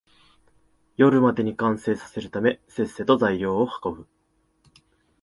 夜までに完成させるため、せっせと材料を運ぶ